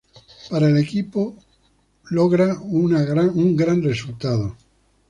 Para el el equipo logra un gran resultado.